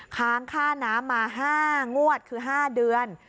ค้างค่าน้ำมา๕งวดคือ๕เดือน